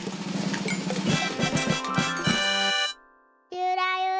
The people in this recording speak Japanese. ゆらゆら。